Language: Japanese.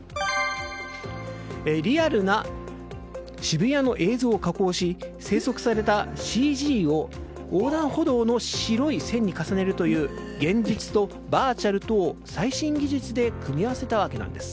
リアルな渋谷の映像を加工し制作されたＣＧを横断歩道の白い線に重ねるという現実とバーチャルとを最新技術で組み合わせたものなんです。